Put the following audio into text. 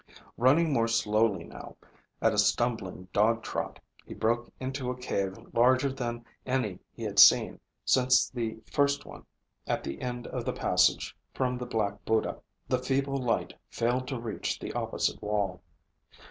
Running more slowly now, at a stumbling dogtrot, he broke into a cave larger than any he had seen since the first one, at the end of the passage from the Black Buddha. The feeble light failed to reach the opposite wall.